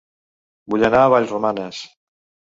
Vull anar a Vallromanes